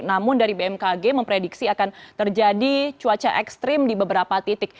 namun dari bmkg memprediksi akan terjadi cuaca ekstrim di beberapa titik